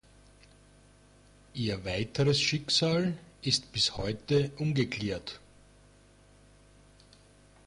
Ihr weiteres Schicksal ist bis heute ungeklärt.